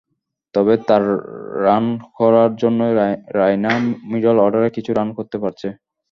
তবে তার রানখরার জন্যই রায়না মিডল অর্ডারে কিছু রান করতে পারছে।